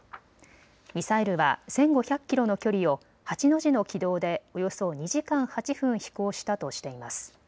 ミサイルは１５００キロの距離を８の字の軌道でおよそ２時間８分飛行したとしています。